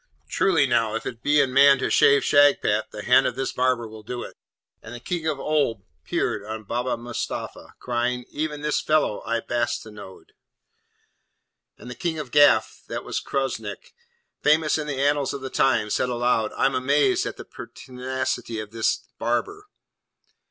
Truly now, if it be in man to shave Shagpat, the hand of this barber will do it!' And the King of Oolb peered on Baba Mustapha, crying, 'Even this fellow I bastinadoed!' And the King of Gaf, that was Kresnuk, famous in the annals of the time, said aloud, 'I'm amazed at the pertinacity of this barber!